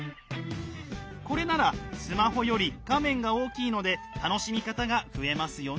これならスマホより画面が大きいので楽しみ方が増えますよね